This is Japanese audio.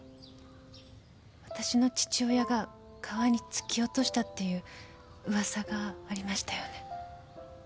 わたしの父親が川に突き落としたっていう噂がありましたよね？